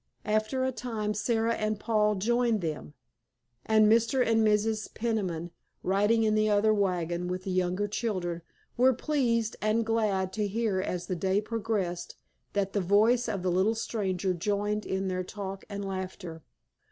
After a time Sara and Paul joined them, and Mr. and Mrs. Peniman, riding in the other wagon with the younger children, were pleased and glad to hear as the day progressed that the voice of the little stranger joined in their talk and laughter.